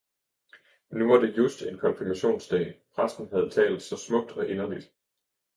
Nu var det just en konfirmationsdag, præsten havde talt så smukt og inderligt.